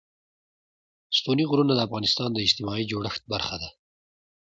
ستوني غرونه د افغانستان د اجتماعي جوړښت برخه ده.